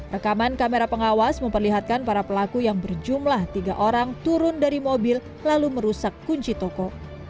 rekaman kamera pengawas memperlihatkan para pelaku yang berjumlah tiga orang turun dari mobil lalu merusak kunci toko